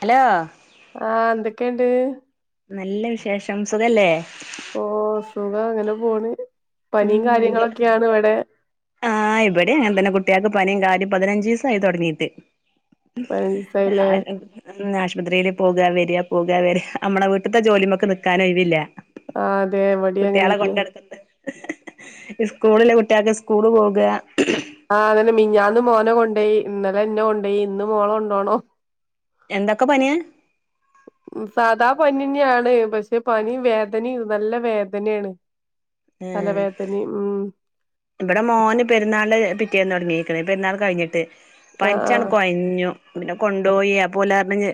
Hello ആഹ് എന്തൊക്കേണ്ട്? നല്ല വിശേഷം. സുഖല്ലേ? ഓഹ് സുഖം അങ്ങനെ പോണ്. പനിയും ഉംമ്മ് ജ കാര്യങ്ങളൊക്കെയാണ് ഇവിടെ ആഹ് ഇവടിം അങ്ങനെ തന്നെ കുട്ട്യേക്ക് പനിം കാര്യും പതിനഞ്ചീസായി തൊടങ്ങീട്ട്. പതിനഞ്ച് ദിവസായില്ലേ [unintelligible] ഉംമ് ആശുപത്രീല് പോകാ വരാ പോകാ വരാ നമ്മെളെ വീട്ടിത്ത ജോലിമെക്ക് നിക്കാൻ ഒഴിവില്ല. ആഹ് അതെ ഇവടിം അങ്ങനെന്നെയാ. സ്കൂളില്ലെ കുട്ട്യാക്ക് സ്കൂള് പോകാ. ആഹ് അതന്നെ മിഞ്ഞാന്ന് മോനെ കൊണ്ടോയി ഇന്നലെ ഇന്നെ കൊണ്ടോയി ഇന്ന് മോളെ കൊണ്ടോണം. എന്ത ഒക്കെ പനിയാ. [inaudible] ഉം സാധാ പനിന്നെ ആണ് പക്ഷെ പനിം വേദനയും നല്ല വേദനയാണ് ഉം തലവേദനയും ഉം ഇവിടെ മോന് പെരുന്നാള്ന്റെ പിറ്റേന്നു തുടങ്ങിക്ക്ണ് പെരുന്നാൾ കഴിഞ്ഞിട്ട് ആ ആ പനിച്ചണ്ട് കൊയഞ്ഞു പിന്നെ കൊണ്ടോയി അപ്പോ ഓല് പറഞ്ഞ്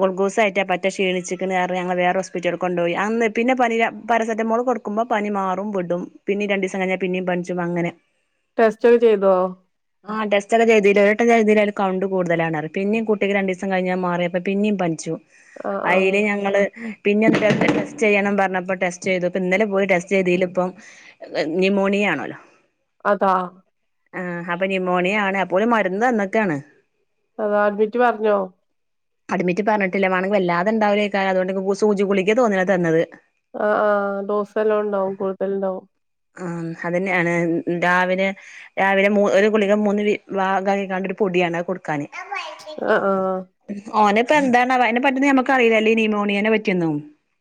ഗ്ള്ക്കൂസ് കേറ്റാ പറ്റേ ക്ഷീണിച്ചിക്കണ് പറഞ്ഞ് ഞങ്ങള് വേറെ ഹോസ്പറ്റലിക്ക് കൊണ്ട് പോയി അന്ന് പിന്നെ പനിട പാരസെറ്റമോൾ കൊടുത്ത് ക്കുമ്പാ പനി മാറും വിടും പിന്നിം രണ്ടിസം കഴിഞ്ഞാൽ പിന്നിം പനിച്ചും അങ്ങനെ ടെസ്റ്റ് ഒക്കെ ചെയ്തോ ആഹ് ടെസ്റ്റ് ഒക്കെ ചെയ്തു ഒരെട്ടം ചെയ്തില് അയിൽ കൗണ്ട് കൂടുതലാണ് പിന്നെയും കുട്ടിക്ക് രണ്ടുദിവസം കഴിഞ്ഞ് അത്‌ മാറിയപ്പോ പിന്നിം പനിച്ചു ആ ആ അയില് ഞങ്ങള് പിന്നെ രക്തം ടെസ്റ്റ് ചെയ്യണം പറഞ്ഞപ്പോ ടെസ്റ്റ് ചെയ്തു ഇപ്പ ഇന്നല പോയി ടെസ്റ്റ് ചെയ്തിൽ ഇപ്പം ന്യൂമോണിയ ആണോലോ അതാ ആഹ് അപ്പൊ നിമോണിയ ആണ് അപ്പൊ ഓല് മരുന്ന് തന്ന്ക്കാണ് അതാ അഡ്മിറ്റ് പറഞ്ഞോ അഡ്മിറ്റ് പറഞ്ഞിട്ടില്ല വേണങ്കി വല്ലാതെണ്ടാവുലേക്കാലം അതുകൊണ്ട് ഗു സൂചിഗുളിഗ തോന്ന്ണ് തന്നത് ആഹ് ആഹ് ഡോസെല്ലം ഉണ്ടാവും കൂടുതല് ഇണ്ടാവും ആഹ് അതന്നെയാണ് ഉം രാവിലെ രാവിലെ മൂ ഒരു ഗുളിഗ മൂന്ന് വീ വാഗ ഭാഗാക്കിങ്ങാണ്ട് ഒരു പൊടിയാണ് അത് കൊടു ക്കാന് ആ ആ ഓനിപ്പ എന്താണ് ആവോ അയ്നെ പറ്റീട്ട് ഞമ്മക്ക് അറിയിലല്ലോ ഈ നിമോണിയനെ പറ്റിയൊന്നും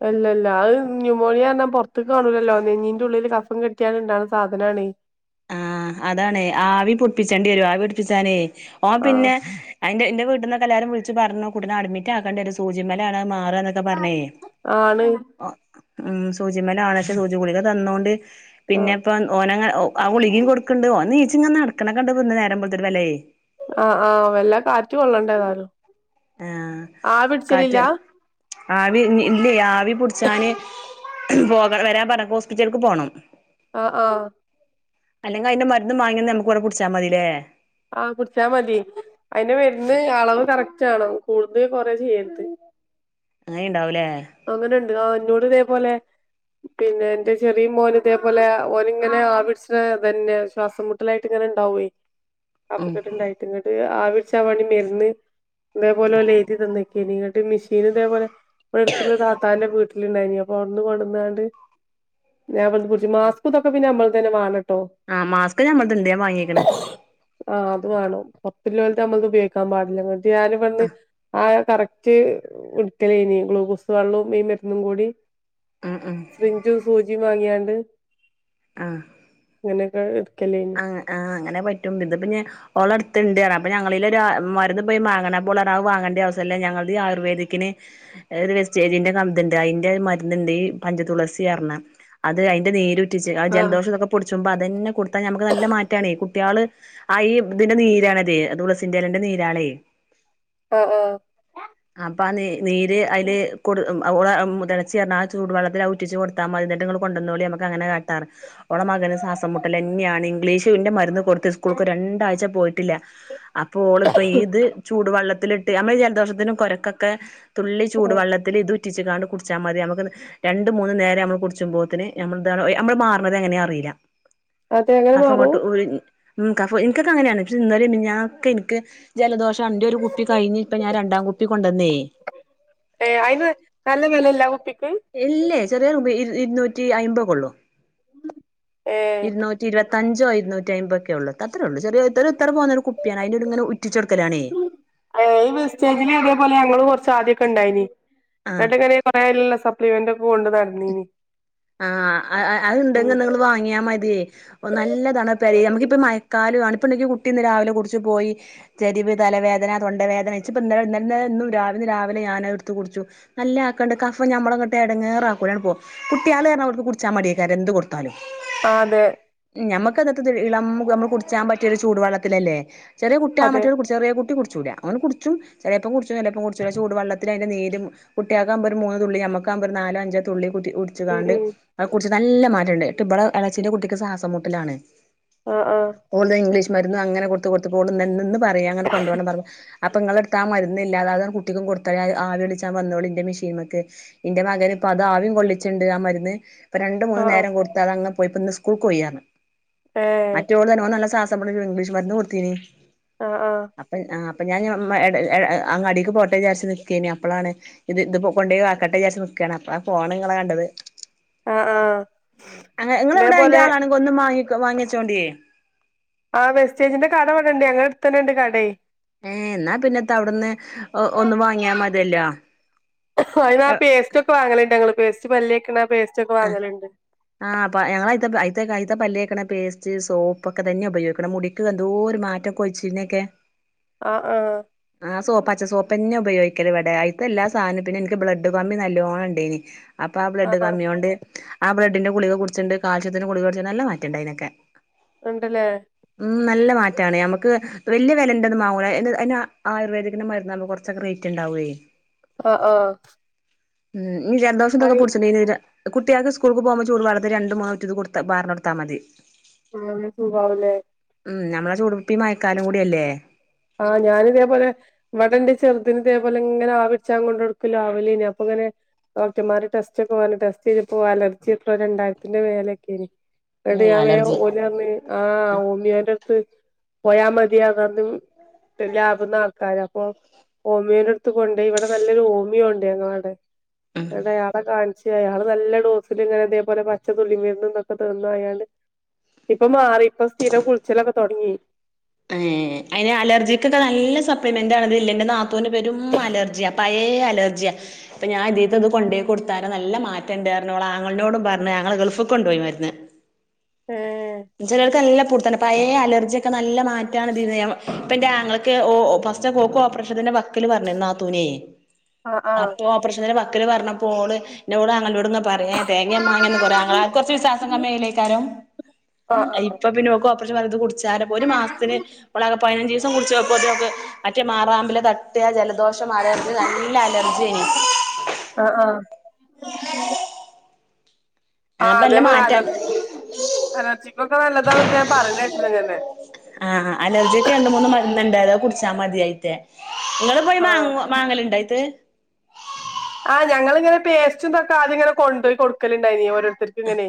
അല്ലല്ല അത് ന്യൂമോണിയാറഞ്ഞാ പൊറത്ത്ക്ക് കാണൂലല്ലോ നെഞ്ഞിന്റെ ഉള്ളില് കഫം കെട്ടിയാല് ഇണ്ടാവ്ണ സാധനാണ് ആഹ് അതാണ് ആവി പുടിപ്പിച്ചേണ്ടി വരും ആവി പിടിപ്പിച്ചാനേ ഓൻ ആഹ് പിന്നെ അയിന്റെ ഇന്റെ വീട്ടീന്നൊക്ക എല്ലാരും വിളിച്ച് പറഞ്ഞു കുട്ടിനെ അഡ്മിറ്റ് ആക്കെണ്ടി വരും സൂചീമ്മലാണത് മാറാനൊക്കെ ക്ക പറഞ്ഞേ ആണ് ഉം സൂചിമലാണ് പക്ഷെ സൂചി ഗുളിക തന്നോണ്ട് പിന്നെ ആഹ് ഇപ്പം ഓനങ്ങന ഓ ആ ഗുളികേം കൊടുക്കൺണ്ട് ഓൻ നീച്ചിങ്ങന നടക്ക്ണൊക്കെണ്ട് പിന്നെ നേരം വെള്ത്തട്ട് വെലേയ് ആഹ് ആഹ് വെല്ലാ കാറ്റ് കൊള്ളണ്ട ഏതായാലും ആഹ് കാറ്റ് ആവി ഇ ഇല്ലേ ആവി പുടിച്ചാന് പോക വരാൻ പറഞ്ഞ ഹോസ്പിറ്റൽക്ക് പോണം ആഹ് ആഹ് അല്ലെങ്കി അയ്ന്റെ മരുന്ന് വാങ്ങി വന്ന് നമുക്ക് ഇവട പുടിച്ചാ മതില്ലേ ആഹ് കുടിച്ചാ മതി അയ്ന്റെ മരുന്ന് അളവ് കറക്റ്റ് ആവണം കൂടേ കൊറയേ ചെയ്യരുത് അങ്ങനിം ഇണ്ടാവുംലേ അങ്ങനെ ഇണ്ട് ആ ഇന്നോട് ഇതേപോലെ പിന്നെ ഇന്റെ ചെറിയ മോന് ഇതേപോലെ ഓൻ ഇങ്ങനെ ആവിടിച്ച്ണ ഇതന്നെ ശ്വാസം മുട്ട് ട്ടലായിട്ട് ഇങ്ങനെ ഇണ്ടാവു ഉം കഫകെട്ട് ഇണ്ടായിട്ട് ഇങ്ങട്ട് ആവിപിടിച്ചാൻ വേണ്ടി മരുന്ന് ഇതേപോലെ ഓല് എഴുതി തന്ന് ഇങ്ങട്ട് മിഷീന് ഇതേപോലെ ത്ത്‌ല് താത്താന്റെ വീട്ടിലിണ്ടായിനി അപ്പൊ അവ്ട്ന്ന് കൊണ്ടന്ന്ങ്ങാണ്ട് ഞാൻ ഇവ്ട്ന്ന് പുടിച്ച് മാസ്ക് ഇതൊക്കെ പിന്നെ ഞമ്മളെതന്നെ വേണംട്ടോ ആഹ് മാസ്ക് ഞമ്മൾത് ഇണ്ട് ഞാൻ വാങ്ങിക്ക്ണ് ആഹ് അത് വേണം ബാക്കിലോൽത് നമ്മളത് ഉപയോഗിക്കാൻ പാടില്ല ഞാന് പണ്ട് ആ ആ കറക്റ്റ് ഇടുക്കലേനി ഗ്ലുക്കോസ് വെള്ളോം ഈ മരുന്നും കൂടി ഉം ഉം സിറിഞ്ചും സൂചീം വാങ്ങിയാണ്ട് ആഹ് അങ്ങനേക്ക എടുക്കലേന്ന് ആഹ് ആഹ് അങ്ങന പറ്റും ഇത് പിന്നെ ഓള അടുത്ത്ണ്ട് അതാ അപ്പ ഞങ്ങളി ലൊരാ ഉം മരുന്ന് പോയി മാങ്ങണ്ട അപ്പോൾ ഓൾ പറഞ്ഞു അത് വാങ്ങേണ്ട ആവശ്യം ഇല്ല ഞങ്ങളുടെ ഈ ആയുർവേദിക്കിന് ഇതൊരു വെസ്റ്റീജിന്റെ ഇത് ഉണ്ട് അയിന്റെ മരുന്ന്ണ്ട് ഈ പഞ്ച തുളസി പറയൂന്നേ അത് അതിന്റെ നീരൂറ്റിച്ച് ആ ആഹ് ജലദോഷ ഇതൊക്കെ പിടിച്ചുമ്പ അതന്നെ കൊടു കൊടുത്ത ഞമ്മക്ക് നല്ല മാറ്റാണേ കുട്ടികള് ആ ഈ ഇതിന്റെ നീരാണതേ അ തുളസിന്റലേന്റെ നീരാണെ ആഹ് ആഹ് ആ അപ്പ ആ നീ നീര് അയില് കൊടു ഉം ആ ഓള ഉം എളച്ചി പറഞ്ഞു ആ ചൂടുവെള്ളത്തില് അത് ഉറ്റിച്ച് കൊടു കൊടുത്താ മതി ഇങ്ങട്ട്ങ്ങള് കൊണ്ടുവന്നോളി നമ്മക്ക് അങ്ങനെ കാട്ടാ പറഞ്ഞ് ഓള മകന് സാസംമുട്ടലന്നെയാണ് ഇംഗ്ലീഷ്ന്റെ മരുന്ന് കൊടുത്ത് സ്കൂൾക്ക് രണ്ടാഴ്ച പോയിട്ടില്ല അപ്പൊ ഓളിപ്പോ ഇത് ചൂടുവെള്ളത്തിലിട്ട് ഇട്ട് നമ്മള് ജലദോഷത്തിനും കൊരക്കൊക്കെ തുള്ളി ചൂട് ആഹ് വെള്ളത്തിലിത് ഉറ്റിച്ചിങ്ങാണ്ട് കുടിച്ചാ മതി നമുക്ക് ന രണ്ട് മൂന്നു നേരം നമ്മള് കുടിച്ചുമ്പോത്തിന് നമ്മള് ഇതാണ് എ നമ്മള് മാറണത് എങ്ങനെയാ അറിയില്ല അതെ അങ്ങനെ കഫ മാറും അങ്ങോട്ട് ഉഴിഞ്ഞ് ഉം കഫൊ എനിക്കൊക്കെ അങ്ങനെയാണ് പക്ഷെ ഇന്നലെ മിനിഞാന്നും ഒക്കെ എനിക്ക് ജലദോഷാണ് എന്റെ ഒരു കുപ്പി കഴിഞ്ഞ് ഇപ്പ ഞാൻ രണ്ടാം കുപ്പി കൊണ്ടന്നേ ഏ അയിന് നല്ല വെലെല്ല ആ കുപ്പിക്ക് ഇല്ലേ ചെറിയ കുപ്പിക്ക് ഇരഇരുന്നൂറ്റി അയിമ്പകൊള്ളൂ ഏഹ് ഇരുന്നൂ ഇരുപത്തിയഞ്ചോ ഇരുന്നൂറ്റയ്മ്പോക്കെള്ളു അത്രേള്ളു ചെറിയ ഒരു ഇത്ര പോന്ന ഒരു കുപ്പിയാണ് അയിന്ന് ഇങ്ങനെ ഉറ്റിചൊടുക്കലാണേ.. ആ ഇ വെസ്റ്റേജില്തേപോലെ ഞങ്ങൾ കൊറച്ച് ആദ്യക്കെണ്ടായിന് എന്ന് ആഹ് ട്ട് ഇങ്ങനെ കുറെ അയിൽ ഉള്ള സപ്ളേമെന്റ് ഒക്കെ കൊണ്ട് നടന്നീനി ആഹ് ആ ഉം അഹ്ണ്ടെങ്കി നിങ്ങള് വാങ്ങിയാ മതിയെ.. ഓ നല്ലതാണ് പെരേൽ ഞമകിപ്പോ മയക്കാലോണ് ഇപ്പന്റെ കുട്ടി ഇന്ന് രാവിലെ കുടിച്ച് പോയി.. ചെരിവ് തലവേദന തൊണ്ടവേദന ഇച് ഇപ്പം ഇന്നലെ ഇന്നല ഇന്നു രാവിലെ രാവിലെ ഞാനത്ടുത്ത് കുടിച്ചു.. നല്ല ആക്കണ്ട് കഫം ഞമ്മളങ്ങട്ട് എടങ്ങേറാ.. ഓല് അങ്ങട്ട് പോകും കുട്ട്യാള്ർന അവർക്ക് കുടിച്ചാ മടിയേക്കാരെ എന്ത് കൊടുത്താലും.. ആതെ.. ഞമ്മക്ക്തത്ത് ഇളം നമ്മള് കുടിച്ചാ പറ്റിയൊരു ചൂടുവള്ളത്തിലല്ലേ ചെറിയ കുട്ടിയാൾ അതെ മറ്റൊരുകു.. ചെറിയെ കുട്ടി കുടിച്ചൂല ഓന് കുടിച്ചും ചേലെപ്പം കുടിച്ചു ചെലേപ്പം കുടിച്ചുല ചൂടുവള്ളത്തില് അയിന്റെ നീരും.. കുട്ടിയാക്കബോ ഒരു മൂന്നുതുള്ളി നമ്മകാവുമ്പോ ഒരു നാലോ അഞ്ചോ.. തുള്ളി കുട്ടി ഉം കുടിച്കാണ്ട് ഉം അഹ് കുടിച്ച് നല്ല മാറ്റണ്ട് ഇട്ട് ഇബളെ എളച്ചിന്റെ കുട്ടിക്ക് സാസമുട്ടലാണ്.. ആഹ് ആഹ് ഓള്ത് ഇംഗ്ലീഷ് മര്ന്ന് അങ്ങനെ കൊട്ത്ത് കൊട്ത്ത്പോള്ന്ന്പറയ അങ്ങട്ട് കൊണ്ടോണം പറഞ്ഞ്.. അപ്പങ്ങളെടുത്ത ആ മര്ന്നില്ലേ അത് കുട്ടിക്കും കൊട്ത്താളി ആവികൊള്ളിചാൻ വന്നോളിന്റെ മിഷീൻമക്.. ഇന്റെ മകന് ഇപ്പൊ അത് ആവിം കൊള്ളിച്ണ്ട് ആ മര്ന്ന് ഇപ്പ രണ്ടു മൂന്ന് ആഹ് ആഹ് നേരം കൊടു.. അത് അങ്ങ് പോയി ഇന്ന് സ്കൂൾക് പോയി പറഞ്ഞ് ഏഹ് മറ്റോള് പറഞ്ഞ് ഓൻ നല്ല സാസംമുട്ടൽ അല്ലേ ഇംഗ്ളീഷ് മര്ന്ന് കൊട്ത്തീന്.. അ ആഹ് അപ്പം ആ അപ്പ ഞാൻ ഇഞ്ഞ് എടെ എ എ ആ കടേക്ക് പോട്ടെ എന്ന് വിചാരിച്ച് നിക്കേനി അപ്പളാണ്.. ഇത് ഇത് കൊണ്ടോയി ആക്കട്ടെ വിചാരിച് നിക്കാണ് അ ആ ഫോൺ നിങ്ങള കണ്ടത് ആഹ് ആഹ് നിങ്ങളെവിടെ എയിന്റെ ഇതേപോലെ ആളാണ്.. ഒന്ന് മാങ്ങി വാങ്ങിച്ചോണ്ടിയേ.. ആ വെസ്റ്റേജിന്റെ കട ഇവിടെ ഉണ്ട് ഞങ്ങളുടെ അടുത്ത് തന്നെ ഉണ്ട് കടേ.. ഏഹ് എന്നാ പിന്നെത്ത അവിട്ന്ന് ഒന്ന് വാങ്ങിയാമതിയല്ലോ. അയിന്ന് ആ പേസ്റ്റൊക്കൊവാങ്ങല്ണ്ട് ഞങ്ങള് പേസ്റ്റ് പല്ലേക്ണെ ആ പേസ്റ്റ്ക്കെ വാങ്ങല്ണ്ട്.. ആ പ്പ ഞങ്ങളയ്ത്ത അയിത്തെ പല്ലേക്കണ പേസ്റ്റ് സോപ്പ്ക്കെ തന്നെ ഉപയോഗിക്കണ മുടി.. ക്ക എന്തോര് മാറ്റം കൊയിച്ചിൽനെക്കെ. ആഹ് ആഹ്. ആഹ് സോ പച്ച സോപെന്നെ ഉപയോക്കല് വടെ അയ്ത്തെല്ലാ സാനും പിന്നെൻക്ക് ബ്ലഡ്കമ്മി നല്ലോണണ്ടേ നി. അപ്പ ആ ബ്ലഡ് ആഹ് കമ്മ്യോണ്ട്. ആ ബ്ലഡിന്റെ ഗുളിക കുടിച്ണ്ട് കാൽസ്യത്തിന്റെ കുളിക കുടിച് നല്ല മാറ്റണ്ടയ്നൊക്കെ. ഇണ്ട്ലേ. ഉം നല്ല മാറ്റാണ് ഞമക്ക് വെല്യ വെലന്റെന്നും മാങ്ങൂല അയിന് അയ്ന ആയുർവേദികിന്റെ മെര്ന്നാവുമ്പോ കൊർ ച്ചൊക്കെ റൈറ്റ്ണ്ടാവുഏ ആഹ് ആഹ് ഉം ഇഞ്ഞ് ജൽദോഷ തൊക്കെ അയി പുട്ച്ണേന് ര കുട്ട്യാക്ക് സ്കൂൾക്ക് പോവുമ്പോ ചൂട് വള്ളത്തില് രണ്ട് മാറ്റ്ത് കൊട്ത ബാർന്നൊട്ത്താ മതി. തുമ്മൽ ന് സുഖവുല്ലേ. ഉം നമ്മളെ ചൂടുപ്പി മയക്കാലം കൂടിയല്ലേ. ആഹ് ഞാനിതേപോലെ [unintelligible] ക്കെന്റെ ചെറ്തിന് തേപോലെ ങ്ങനെ ആവിട്ച്ചാ കൊണ്ടൊട്ക്കല് ലാവിലെനി അപ്പങ്ങനെ ഡോക്ടർമാര് ടെസ്റ്റൊക്കെ പർഞ്ഞ് ടെസ്റ്റെയ്‌തപ്പോ അലർജ്യറ്റെ രണ്ടായിര്ത്തിന്റെ മേലെക്കെനി. ന്നട്ട് ഏ ഞാം വേറേ അലർജി ഓലർഞ്ഞി ആഹ് ഓമിയോന്റെട്ത്ത് പോയാ മ ത്യാ പർഞ്ഞ് [unintelligible] ലാബ്ന്നാൾക്കാരപ്പൊ ഓമിയോന്റെട്ത്ത് കൊണ്ടോയി ഇവടെ നല്ലൊരു ഹോമിയോണ്ടേന്നവടെ. ഉം ന്നട്ടെ അവടെ കാൺച് ച്ച് അയാള് നല്ല ഡോസില്ങ്ങനെ ഇതേപോലെ പച്ചതുള്ളി മര്ന്നും തോക്കെ തന്നയാള്. ഇപ്പം മാറി ഇപ്പം സ്ഥിരം കുൾച്ചലൊക്കെതോട്ങ്ങി. ഏഹ്. അയ്നലർജിക്കൊക്കെ നല്ല സപ്ലിമെന്റ്ണതില് ല്ലെ ഇന്റെ നാത്തൂന് പെരും അലർജ്യാ അപ ഏ അലർജ്യാ പ്പ ഞാൻ ഇതീത്തത് കൊണ്ടോയി കൊട്ത്താരെ നല്ല മാറ്റ ണ്ടാർഞ്ഞു ഒളാങ്ങൾനോടും പർഞ്ഞ് ആങ്ങള ഗൾഫ്‌ക്കൊണ്ടോയി മര്ന്ന്. ഏഹ് ചെലോൽക്ക് നല്ല പുട്ത്താണ് പയേ അലർജ്യക്കെ നല്ല മാറ്റാണ് തിന്ന് [unintelligible] ഇപ്പൻ്റാങ്ങൾക്ക് ഓഹ് ഒഹ് ഫസ് ച്ചക്കോ ക്കോപ്രേഷത്തിന്റെ വക്ക്ല് പർഞ്ഞ് താത്തൂനേ ആഹ് ആഹ് അപ്പോ പ്രശത്തിന്റെ വക്ക്ല് പർഞ്ഞപ്പോള് ന്നോള് ആങ്ങളനോട്ങ്ങ പറയേ തേങ്ങ്യേ മാങ്ങേന്നൊക്കൊരാങ്ങളാര് കൊർച്ച് വിശ്വാസം കമ്മ്യേലേക്കാരം. ആഹ് ആഹ് ഇപ്പ പിന്നോക്ക് ഓപ്പറേഷൻ പർഞ്ഞ് ത് കുടിച്ചാരപ്പൊരു മാസത്തിന് ഓളാക്കെ പതിനഞ്ചിസം കുടിച്ച് പ്പോത്തി നോക്ക് മറ്റേ മാറാമ്പില തട്ട്യാ ജലദോഷം മാറെ [unintelligible] നല്ല ലർജ്യേനി ആഹ് ആഹ് ആഹ് അപ്പൊ നല്ല അതേപോലെ അലർ മാറ്റാണ് അലർജിക്കൊക്കെ നല്ലതാന്നൊക്കെ ഞാൻ പറഞ്ഞേട്ടി [unintelligible] ആഹ് ആഹ് അലർജിക്കണ്ട് മൂന്ന് മരുന്ന് ണ്ടാതാ കുടിച്ചാ മത്യയ്ത്തെ. ഇങ്ങള് പോയി ആഹ് മാങ്ങ് മാങ്ങല്ണ്ടായ്ത്? ആഹ് ഞങ്ങിങ്ങനെ പേസ്റ്റുംതൊക്കാദ്യ ങ്ങനെ കൊണ്ടോയ് കൊട്ക്കല്ണ്ടായിനീ ഓരോര്ത്തര്ക്ക് ങ്ങനെ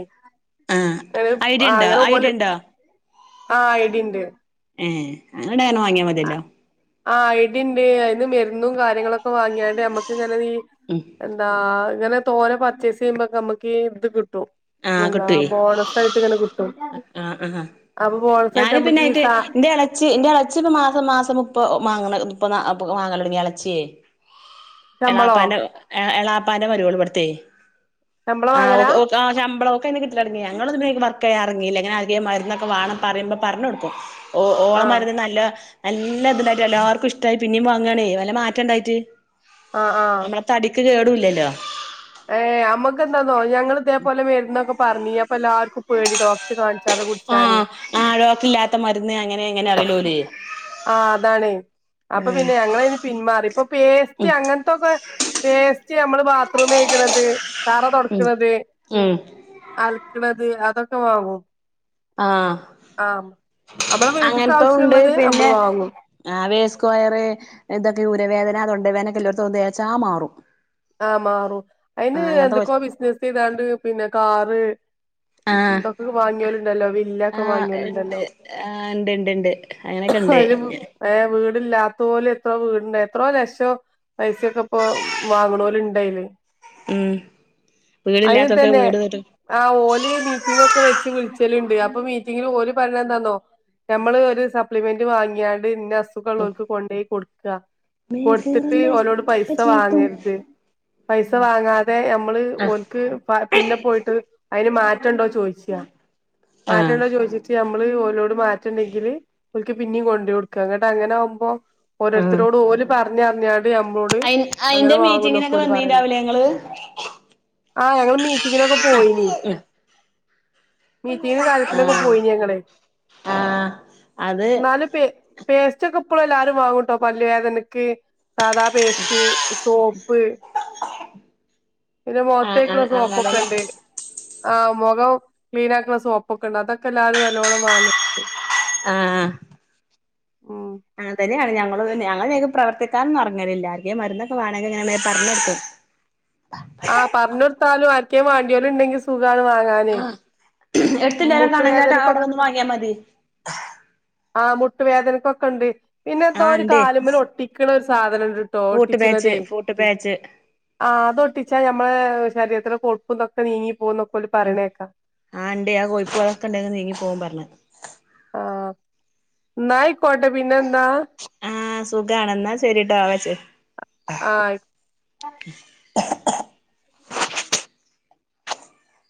ആഹ് ഏഹ് ഐഡിയ ഉണ്ടോ അങ്ങനെ പോല് ഐഡിയ ഉണ്ടോ ആഹ് ഐടിണ്ട്. ഏഹ് അങ്ങനെണ്ടെ അങ്ങനെ വാങ്ങ്യാ മത്യല്ലോ. ആഹ് ഐടിണ്ട് അയ്ന്ന് മരുന്നും കാര്യങ്ങളൊക്കെ വാങ്ങ്യാണ്ട് അമ്മക്ക് ങ്ങനെ ഈ ഉം എന്താ ഇങ്ങനെ തോനെ പർച്ചേസെയ്യുമ്പക്ക മ്മക്ക് ഈ ഇത് കിട്ടും. ആഹ് എന്താ കിട്ടുവേ ബോണസായിട്ട് ങ്ങനെ കിട്ടും. ആഹ് ആഹ് അപ്പൊ പോണസായിട്ടമ്മക്ക് ഈ സാ ച്ച്പ്പ മാസം മാസം മുപ്പ മാങ്ങണ ഇത് പ്പ നാ അപ്പക്കെ മാങ്ങലൊട്ങ്ങി എളച്ച്യേ. ശമ്പളോ എളാപ്പാന്റെ എഹ് എളാപ്പാന്റെ മര്യോള് ബട്ത്തേ ശമ്പളം ആഹ് വാങ്ങലാ ഓക്ക് ഓ ആഹ് ശമ്പളം ഒക്കെ കിട്ടലൊടങ്ങി ഞങ്ങള് അത് വേഗം വ ക്കെ ഇറങ്ങീല്ല ഞാൻ ആകെ മരന്നൊക്കെ വാണം പറയുമ്പം പറഞ്ഞ് കൊടുക്കും ഓ ഓളെ ആഹ് മരുന്ന് നല്ലതാ നല്ല ഇതിലായിട്ട് എല്ലാർക്കും ഇഷ്ടായി പിന്നിം വാങ്ങാണേ നല്ല മാറ്റം ഉണ്ടായിട്ട്. ആഹ ആഹ് തടിക്ക് കേടൂല്ലല്ലോ. ഏഹ് അമ്മക്കെന്താന്നോ ഞങ്ങൾ ഇതേപോലെ മരുന്നൊക്കെ പറഞ്ഞീനി അപ്പൊ എല്ലാവക്കും പേടി ഡോ ആഹ് ആ ഡോക്റ്ററില്ലാത്ത മരുന്ന് അങ്ങനെ ഇങ്ങനെ പറയല്ലോ ഓല് ആഹ് അതാണേ അപ്പൊ ഉം പിന്നെ ഞങ്ങളയിന്ന് പിന്മാറി ഇപ്പൊ പേസ്റ്റ് ഉം അങ്ങനത്തൊക്കെ പേസ്റ്റ് നമ്മള് ബാത്റൂമെഴ് ക്കിണത് തറ ഉം തൊടക്ക്ണത് ഉം അലക്ക്ണത് അതൊക്കെ വാങ്ങും. ആഹ് ആഹ് അമ്മളെ വീട്ട്ക്കാവശ്യംള്ളത് അമ്മള് വാങ്ങും. ആ വേ സ്ക്വയർ എന്തൊക്കെ ഊരവേദന തൊണ്ടവേദനൊക്കെ ഇല്ലോട്ത്തൊന്ന് തേച്ചാ മാറും. ആഹ് മാറും അയിന് ആഹ് അങ്ങനത്തെ എന്തൊക്കോ ബിസിനസ് ചെയ്താണ്ട് പിന്നെ കാറ് ആഹ് ഇതൊക്കെ വാങ്ങിയോലുണ്ടല്ലോ വില്ലൊക്കെ ആഹ് ഇണ്ട് വാങ്ങിയോലുണ്ടല്ലോ ആഹ് ഇണ്ട് ഇണ്ട് ഇണ്ട് അങ്ങനെക്കെ ഇണ്ട് പഴേ വീടില്ലാത്തോല് ഇപ്പം വീട്ണ്ടാക്കി എത്രോ ലക്ഷം പൈസൊക്കെ ഇപ്പം വാങ്ങ്ണോല്ണ്ടയില് ഉം വീടില്ലാത്തോൽക്ക് ആ തന്നെ വീട് ന്നെട്ട് ആ ഓല് മീറ്റിംഗ് ഒക്കെ വെച്ച് വിളിച്ചല്ണ്ട് അപ്പൊ മീറ്റിങ്ങിന് ഓല് പറയിണെന്താന്നോ നമ്മള് ഒരു സപ്ലിമെന്റ് വാങ്ങിയാണ്ട് ഇന്ന അസുഖ ഉള്ളോൽക്ക് കൊണ്ടോയി കൊടുക്ക. മേ കൊടുത്തിട്ട് കേറല്ലേ ഓലോട് ഇപ്പ പൈസ ചീത്തും വാങ്ങര് ത് പൈസ വാങ്ങാതെ അമ്മള് ആഹ് ഓൽക്ക് പ പിന്നെ പോയിട്ട് അയിന് മാറ്റണ്ടോ ചോയിച്ചാ ആഹ് മാറ്റണ്ടോ ചോയീച്ചിട്ട് അമ്മള് ഓലോട് മാറ്റണ്ടെങ്കിൽ ഓൽക്ക് പിന്നിം കൊണ്ടോയി കൊടുക്ക ഇങ്ങട്ട് അങ്ങനാവുമ്പോ ആഹ് ഓരോരുത്തരോട് ഓല് പറഞ്ഞ് അറിഞ്ഞാണ്ട് ഞമ്മളോട് അയി അയിന്റെ മീറ്റിങ്ങിനൊക്കെ വന്നീണ്ടാവുലേ ഇങ്ങള് ആ് ഞങ്ങള് മീറ്റിങ്ങിനൊക്കെ പോയിനി മീറ്റിങ്ങിന് കാര്യത്തിനൊക്കെ ആഹ് പോയിനി ഞങ്ങള് ആഹ് അത് ന്നാലും പേ പേസ്റ്റ് ഒക്കെ ഇപ്പളും എല്ലാരും വാങ്ങുട്ടോ പല്ലു വേദനക്ക് സാദാ പേസ്റ്റ് സോപ്പ് പിന്നെ ആഹ് മോത്തേക്ക്ണെ ആഹ് ആഹ് അതന്നെ സോപ്പൊക്കെണ്ട് ആഹ് മുഖം ക്ലീൻ ആക്ക്ണെ സോപ്പ് ഒക്കെ ഉണ്ട് അതൊക്കെ എല്ലാവരും നല്ലോണം വാങ്ങ്ണ്ട്. ആഹ് ഉം അങ്ങനെതന്നെ ആണ് ഞങ്ങളും ഞങ്ങള് പിന്നെ അയ്ക്ക് പ്രവർത്തിക്കാനൊന്നും എറങ്ങൽ ഇല്ല ആർക്കേലും മരുന്ന് ഒകെ വാണെങ്കിൽ ഇങ്ങനെ പറഞ്ഞൊടുക്കും ആഹ് പറഞ്ഞൊടുത്താലും ആർക്കേലും വാണ്ടിയോല് ഉണ്ടെങ്കി സുഖാണ് വാങ്ങാന് ഇങ്ങക്കിങ്ങനെ പറയുന്നേട്ടാ അവിടെ വന്ന് വാങ്ങിയാ മതി. ആഹ് മുട്ടുവേദനക്കൊക്കെ ഉണ്ട്. പിന്നെ എന്തോ ആഹ് ഒരു കാലുമ്മൽ ഒട്ടി ക്ക്ണ ഒരു സാധനം ഇണ്ട് ഫൂട്ട് പേച്ച് ഫൂട്ട് പേച്ച് ആഹ് അതൊട്ടിച്ചാ ഞമ്മളെ ശരീരത്തിത്തിലെ കൊഴപ്പും ഇതൊക്കെ നീങ്ങി പോവുംന്നൊക്കെ ഓല് പറയ്ണേക്കാ ആഹ് ഇണ്ടേ ആ കോഴിപ്പ്കളൊക്കെണ്ടെന്ന് നീങ്ങി പോവും പറഞ്ഞ്. ആഹ് ന്നാ അയിക്കോട്ടെ പിന്നെന്താ ആ സുഖാണ് ന്നാ ശെരിട്ടോ ആ വെച്ചേക്ക് ആഹ് അയി